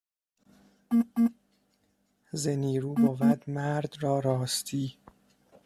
ز نیرو بود مرد را راستی